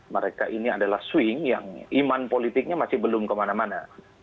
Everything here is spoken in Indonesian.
mereka ini adalah swing yang iman politiknya masih belum kemana mana